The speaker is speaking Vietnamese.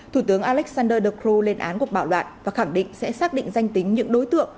thủ tướng alexander ducru lên án cuộc bạo loạn và khẳng định sẽ xác định danh tính những đối tượng